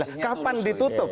lah kapan ditutup